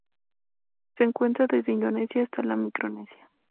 Se encuentra desde Indonesia hasta la Micronesia.